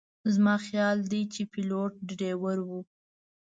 زما خیال دی چې پیلوټ ډریور و.